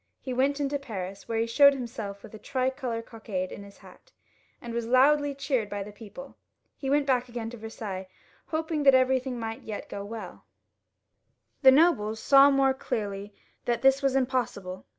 He went into Paris, where he showed himseK with a 2 C 386 LOUIS XVL [CH. tricolor cocade in his hat, and was loudly cheered by the people. He went back again to Versailles, hoping that everything might yet go well The nobles saw more clearly that this was impossible.